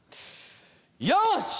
よし！